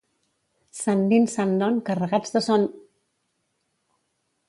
Sant Nin, sant Non, carregats de son!...